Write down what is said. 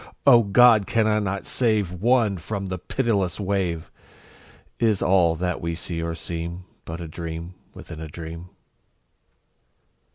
O God! can I not save One from the pitiless wave? Is all that we see or seem Is but a dream within a dream.